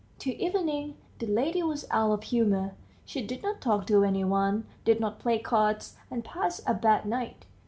Till evening the lady was out of humor; she did not talk to any one, did not play cards, and passed a bad night.